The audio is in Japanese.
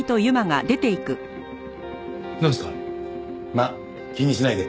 まあ気にしないで。